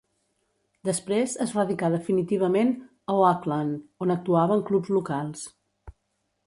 Després es radicà definitivament a Oakland, on actuava en clubs locals.